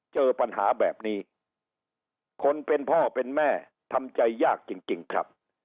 เจอปัญหาแบบนี้คนเป็นพ่อเป็นแม่ทำใจยากจริงครับ